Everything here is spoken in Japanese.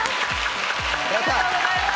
ありがとうございます！